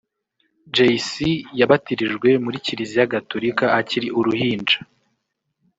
Jay-C yabatirijwe muri Kiliziya Gatulika akiri uruhinja